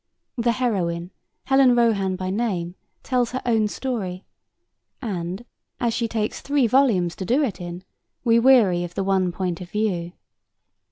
The heroine, Helen Rohan by name, tells her own story and, as she takes three volumes to do it in, we weary of the one point of view.